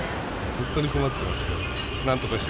本当に困ってますよ。